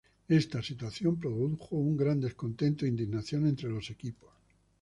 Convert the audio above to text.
Esta situación produjo un gran descontento e indignación entre los equipos.